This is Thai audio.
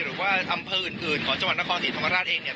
หรือว่าอำเภออื่นของจังหวัดนครศรีธรรมราชเองเนี่ย